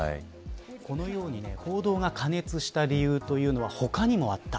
このように報道が過熱した理由というのは他にもあった。